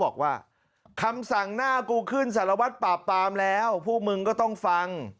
บอกว่าคำสั่งหน้ากูขึ้นสารวัตรปราบปามแล้วพวกมึงก็ต้องฟัง